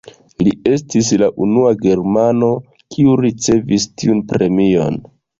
Li estis la unua germano, kiu ricevis tiun premion.